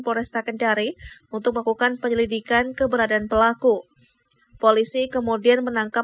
polresta kendari untuk melakukan penyelidikan keberadaan pelaku polisi kemudian menangkap